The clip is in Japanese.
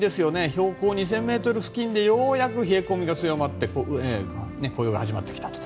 標高２０００ｍ付近でようやく冷え込みが強まって紅葉が始まってきたと。